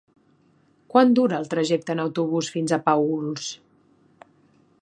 Quant dura el trajecte en autobús fins a Paüls?